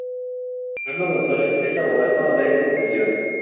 Carlos González es abogado de profesión.